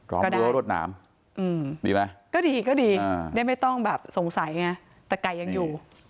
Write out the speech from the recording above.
ร้องรั้วรดหนามดีไหมก็ดีได้ไม่ต้องสงสัยแต่ไก่ยังอยู่